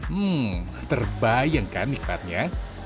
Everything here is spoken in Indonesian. hmm terbayangkan nikmatnya